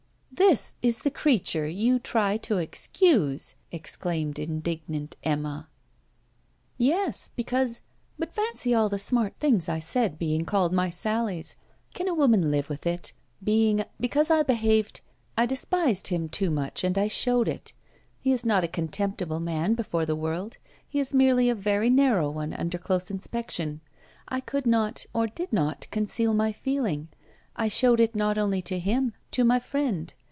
'This is the creature you try to excuse!' exclaimed indignant Emma. 'Yes, because but fancy all the smart things I said being called my "sallies"! can a woman live with it? because I behaved... I despised him too much, and I showed it. He is not a contemptible man before the world; he is merely a very narrow one under close inspection. I could not or did not conceal my feeling. I showed it not only to him, to my friend.